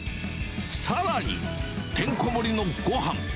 さらに、てんこ盛りのごはん。